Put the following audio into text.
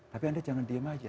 tapi anda jangan diem aja